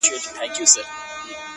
د اوښ بـارونـه پـــه واوښـتـل!